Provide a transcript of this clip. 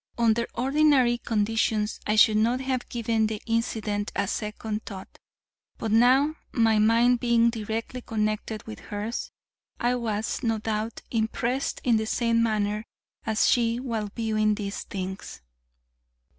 Under ordinary conditions I should not have given the incident a second thought, but now my mind being directly connected with hers, I was, no doubt, impressed in the same manner as she while viewing these things.